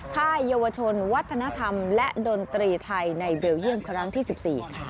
ค่ายเยาวชนวัฒนธรรมและดนตรีไทยในเบลเยี่ยมครั้งที่๑๔ค่ะ